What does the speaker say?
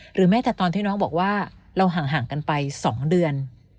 แม้แต่ตอนที่น้องบอกว่าเราห่างกันไป๒เดือน